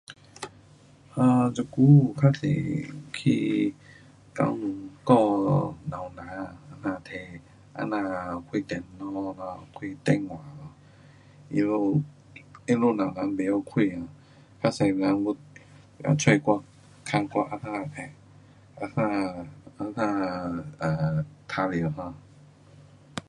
呃，这久较多去教堂教老人，这样提，这样开电脑咯，开电话咯，他们，他们老人不晓开，较多人要啊找我，问我这样的，这样，这样，啊玩耍咯。